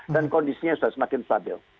dan kondisinya sudah semakin stabil